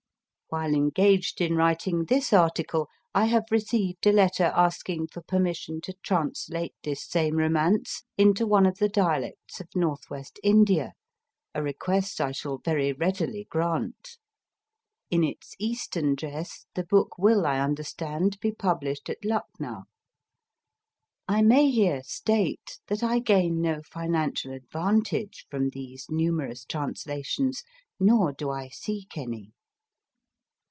While engaged in writing this article, I have received a letter asking for permission to translate this same Romance into one of the dialects of North west India, a request I shall very readily grant. In its Eastern dress the book will, I understand, be published at Lucknow. I may here state that I gain no financial advantage from these numerous translations, nor do I seek any.